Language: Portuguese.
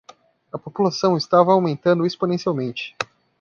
A população estava aumentando exponencialmente.